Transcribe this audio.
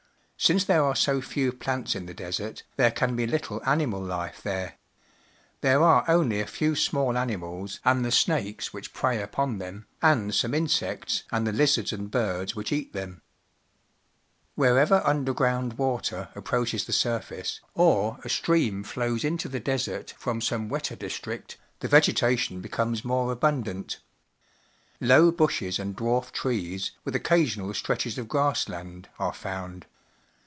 Since there are so few plants in the desert, there can be little animal life there. There are only a few small animals and the snakes which .J^,^^ .ii/:^ Thirty Acres of Pelicans on an Island near Peru prey upon them, and some insects and the lizards and birds which eat them. Wheie\ er undei'ground water approaches the surface, or a stream flows into the desert from some wetter district, the vegetation becomes more abundant. Low bushes and dwarf trees, with occasional stretches of grass land, arc found.